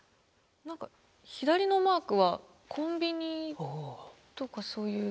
何か左のマークはコンビニとかそういう。